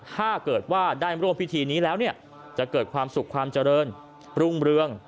ถ้าเกิดว่าได้ร่วมพิธีนี้แล้วเนี่ยจะเกิดความสุขความเจริญรุ่งเรือง